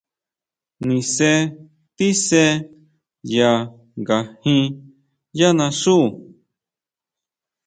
Nise tíse ya ngajín yá naxú.